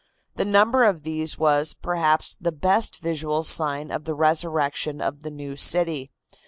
The number of these was, perhaps, the best visual sign of the resurrection of the new city.